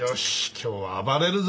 今日は暴れるぞ。